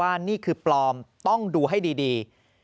เอาไว้ว่านี่คือปลอมต้องดูให้ดี